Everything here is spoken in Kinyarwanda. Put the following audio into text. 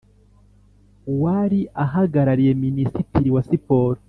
Uwari ahagarariye Minisitiri wa Siporo